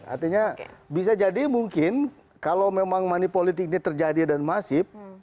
artinya bisa jadi mungkin kalau memang money politik ini terjadi dan masif